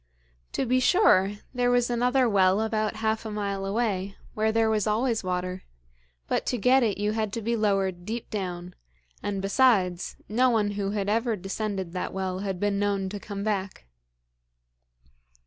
To be sure, there was another well about half a mile away, where there was always water; but to get it you had to be lowered deep down, and, besides, no one who had ever descended that well had been known to come back.